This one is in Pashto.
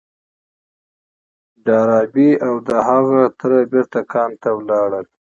ډاربي او د هغه تره بېرته کان ته ولاړل.